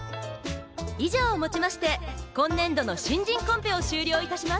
以上をもちまして今年度の新人コンペを終了致します。